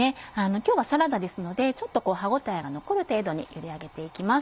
今日はサラダですのでちょっと歯応えが残る程度にゆで上げて行きます。